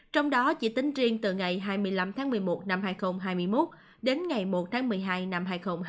trong đó chỉ tính riêng từ ngày hai mươi năm tháng một mươi một năm hai nghìn hai mươi một đến ngày một tháng một mươi hai năm hai nghìn hai mươi